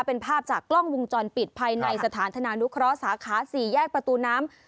เป็นภาพจากกล้องวงจรปิดภายในสถานธนานุเคราะห์สาขา๔แยกประตูน้ำ